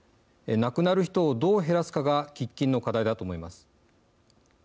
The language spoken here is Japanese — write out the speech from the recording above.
亡くなる人をどう減らすかが喫緊の課題だと思います。